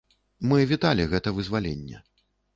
Мы віталі гэта вызваленне.